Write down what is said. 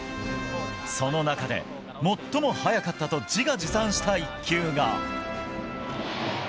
その中で、最も速かったと自画自賛した１球が。